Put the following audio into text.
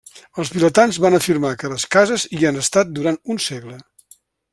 Els vilatans van afirmar que les cases hi han estat durant un segle.